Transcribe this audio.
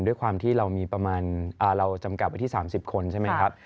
ด้วยความที่เรามีประมาณเราจำกัดไว้ที่๓๐คนใช่ไหมครับ